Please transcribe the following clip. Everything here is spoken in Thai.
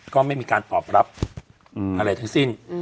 ก็ไม่มีการตอบรับอะไรทั้งสิ้น